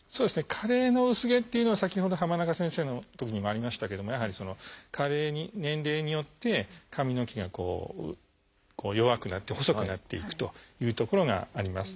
加齢の薄毛っていうのは先ほど浜中先生のときにもありましたけどもやはり加齢に年齢によって髪の毛が弱くなって細くなっていくというところがあります。